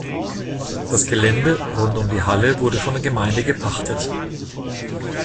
Das Gelände rund um die Halle wurde von der Gemeinde gepachtet.